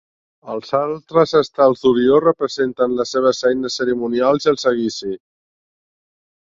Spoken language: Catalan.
Els altres estels d'Orió representen les seves eines cerimonials i el seguici.